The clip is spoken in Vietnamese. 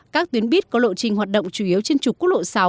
các tuyến buýt có lộ trình hoạt động chủ yếu trên trục quốc lộ sáu